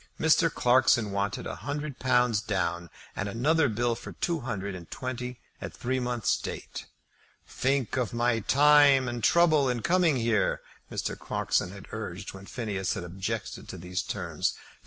Mr. Clarkson wanted a hundred pounds down, and another bill for two hundred and twenty at three months' date. "Think of my time and trouble in coming here," Mr. Clarkson had urged when Phineas had objected to these terms.